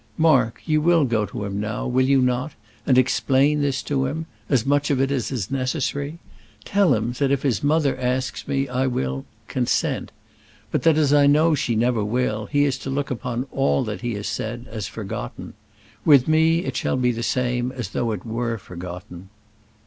Mark, you will go to him now; will you not? and explain this to him; as much of it as is necessary. Tell him, that if his mother asks me I will consent. But that as I know that she never will, he is to look upon all that he has said as forgotten. With me it shall be the same as though it were forgotten."